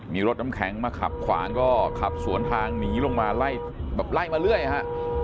มีรถน้ำแข็งมาขับขวางก็ขับสวนทางหนีลงมาไล่แบบไล่มาเรื่อยฮะ